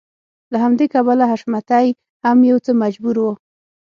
له همدې کبله حشمتی هم يو څه مجبور و.